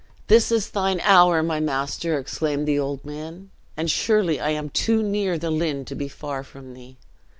"This is thine hour, my master!" exclaimed the old man; "and surely I am too near the Lynn to be far from thee!"